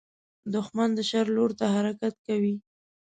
دښمن د شر لور ته حرکت کوي